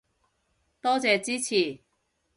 多謝支持